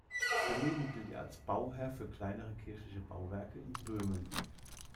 Daneben gilt er als Bauherr für kleinere kirchliche Bauwerke in Böhmen.